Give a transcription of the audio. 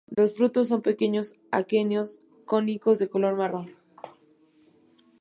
Los frutos son pequeños aquenios cónicos de color marrón.